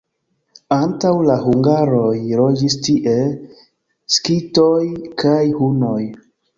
Antaŭ la hungaroj loĝis tie skitoj kaj hunoj.